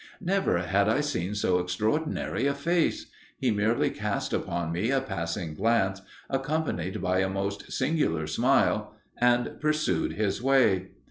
Never had I seen so extraordinary a face. He merely cast upon me a passing glance, accompanied by a most singular smile, and pursued his way.